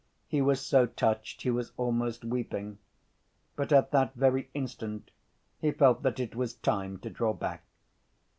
He was so touched he was almost weeping. But at that very instant, he felt that it was time to draw back.